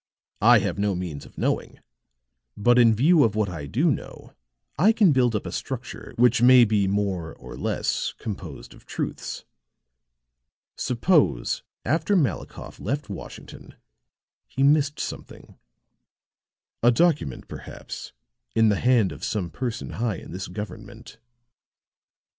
I have no means of knowing, but in view of what I do know, I can build up a structure which may be more or less composed of truths. Suppose, after Malikoff left Washington, he missed something a document, perhaps, in the hand of some person high in this government.